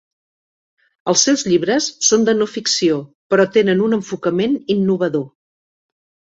Els seus llibres són de no ficció, però tenen un enfocament innovador.